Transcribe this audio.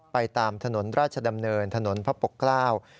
ไปตามถนนราชดำเนินถนนพระปกเกล้า